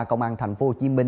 công an tp hcm